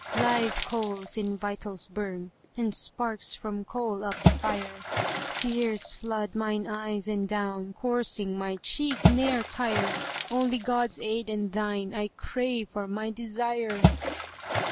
Live coals in vitals burn * And sparks from coal up spire: Tears flood mine eyes and down * Coursing my cheek ne'er tire: Only God's aid and thine * I crave for my desire!"